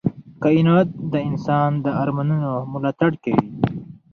کائنات د انسان د ارمانونو ملاتړ کوي.